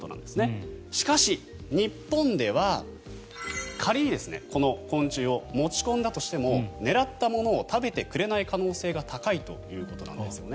しかし、日本では仮にこの昆虫を持ち込んだとしても狙ったものを食べてくれない可能性が高いということなんですね。